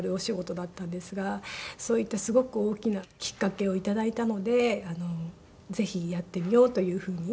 そういったすごく大きなきっかけを頂いたのでぜひやってみようというふうに。